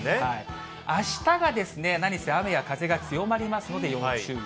あしたが何せ雨や風が強まりますので、要注意。